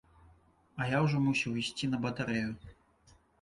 А я ўжо мусіў ісці на батарэю.